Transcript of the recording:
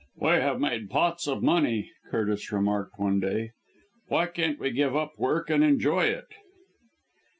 "We have made pots of money," Curtis remarked one day. "Why can't we give up work and enjoy it?"